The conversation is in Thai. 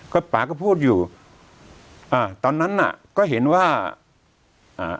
ก็ป่าก็พูดอยู่อ่าตอนนั้นน่ะก็เห็นว่าอ่า